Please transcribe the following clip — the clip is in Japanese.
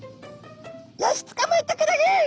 よしつかまえたクラゲ。